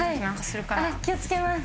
気をつけます。